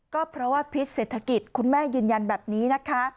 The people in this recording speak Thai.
ก็เพราะว่าพิษเศรษฐกิจคุณแม่ยืนยันแบบนี้นะคะ